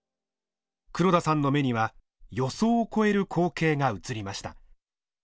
黒田さんの目には予想を超える光景が映りました。